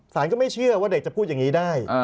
ก็ไม่เชื่อว่าเด็กจะพูดอย่างนี้ได้